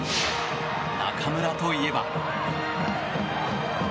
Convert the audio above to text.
中村といえば。